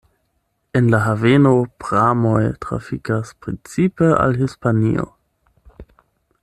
En la haveno pramoj trafikas precipe al Hispanio.